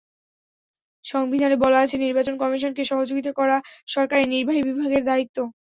সংবিধানে বলা আছে, নির্বাচন কমিশনকে সহযোগিতা করা সরকারের নির্বাহী বিভাগের দায়িত্ব।